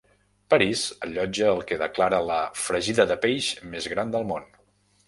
Paris allotja el que declara la "fregida de peix més gran del món".